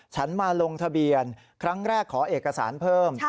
ฉันมาลงทะเบียนครั้งแรกขอเอกสารเพิ่ม